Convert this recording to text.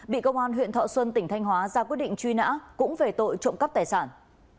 bị công an huyện thọ xuân tỉnh thanh hóa ra quyết định truy nã cũng về tội trộm cắp tài sản